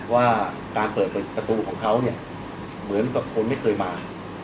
ว่าการเปิดประตูของเขาเหมือนคนไม่เคยมา